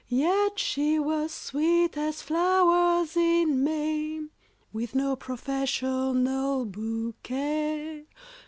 Yet she was sweet as flowers in May, With no professional bouquet.